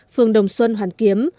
phường đồng xuân hoàn kiếm